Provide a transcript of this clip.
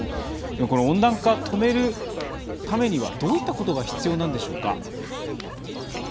温暖化、止めるためにはどういったことが必要なんでしょうか。